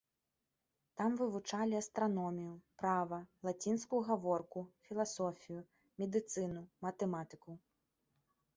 Там вывучалі астраномію, права, лацінскую гаворку, філасофію, медыцыну, матэматыку.